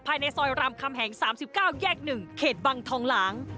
ภายในซอยรามคำแหงสามสิบเก้าแยกหนึ่งเขตบังทองหลาง